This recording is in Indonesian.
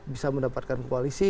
bisa mendapatkan koalisi